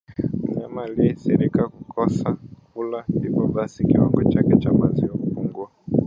Mnyama aliyeathirika kukosa kula hivyo basi kiwango chake cha maziwa kupungua